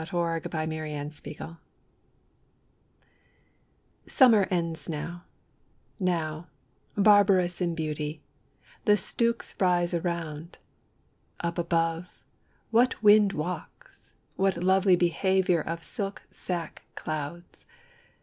14 Hurrahing in Harvest SUMMER ends now; now, barbarous in beauty, the stooks rise Around; up above, what wind walks! what lovely behaviour Of silk sack clouds!